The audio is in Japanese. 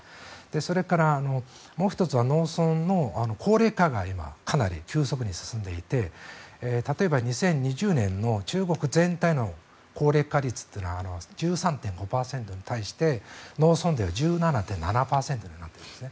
それからもう１つは農村の高齢化が今、かなり急速に進んでいて例えば、２０２０年の中国全体の高齢化率は１３．５％なのに対して農村では１７．７％になっています。